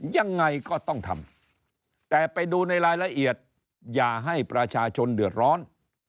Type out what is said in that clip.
ยังไงก็ต้องทำแต่ไปดูในรายละเอียดอย่าให้ประชาชนเดือดร้อน